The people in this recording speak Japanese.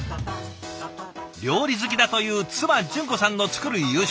料理好きだという妻淳子さんの作る夕食。